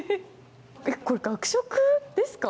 これ、学食ですか？